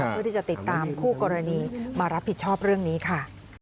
เพื่อที่จะติดตามคู่กรณีมารับผิดชอบเรื่องนี้ค่ะ